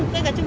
nó lâu ý